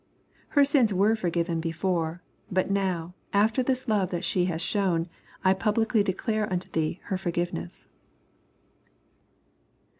Her sins were for given before, but now, after this love that she has shown, I publicly declare unto thee her forgiveness.